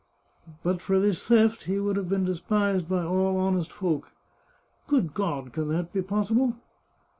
" But for this theft he would have been despised by all honest folk." " Good God ! can that be possible